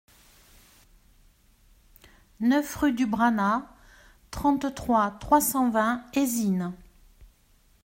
neuf rue Dubrana, trente-trois, trois cent vingt, Eysines